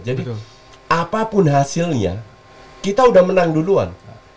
jadi apapun hasilnya kita udah menang duluan